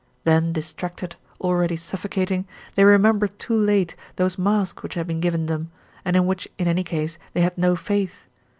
Then distracted, already suffocating, they remembered too late those masks which had been given them, and in which in any case they had no faith.